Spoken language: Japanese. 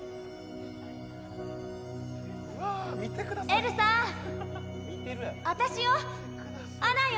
エルサ、私よ、アナよ。